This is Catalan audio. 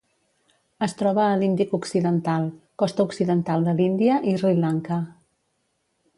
Es troba a l'Índic occidental: costa occidental de l'Índia i Sri Lanka.